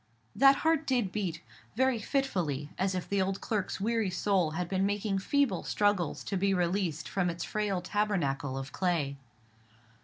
That heart did beat: very fitfully, as if the old clerk's weary soul had been making feeble struggles to be released from its frail tabernacle of clay.